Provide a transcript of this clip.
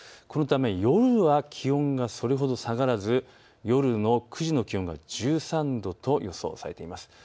このため夜は気温がそれほど下がらず夜の９時の気温は１３度と予想されています。